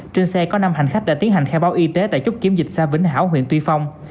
trên xe có năm hành khách đã tiến hành khai báo y tế tại chốt kiểm dịch xã vĩnh hảo huyện tuy phong